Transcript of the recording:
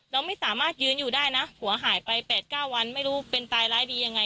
เราไม่สามารถยืนอยู่ได้นะผัวหายไป๘๙วันไม่รู้เป็นตายร้ายดียังไง